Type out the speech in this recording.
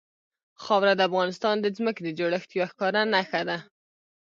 خاوره د افغانستان د ځمکې د جوړښت یوه ښکاره نښه ده.